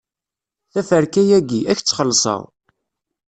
Taferka-agi, ad k-tt-xelṣeɣ.